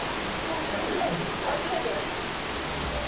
間違えてない。